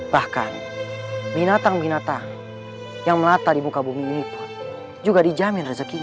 bahkan binatang binatang yang melata di muka bumi ini pun juga dijamin rezekinya